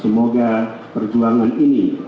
semoga perjuangan ini